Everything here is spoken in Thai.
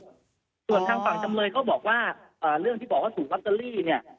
ส่วนทางฝั่งจำเลยเขาบอกว่าเรื่องที่บอกว่าถูกลอตเตอรี่เนี่ย